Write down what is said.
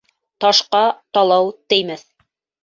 Ташҡа талау теймәҫ.